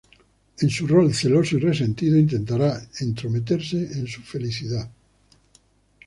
En su rol celoso y resentido intentará entrometerse en su felicidad.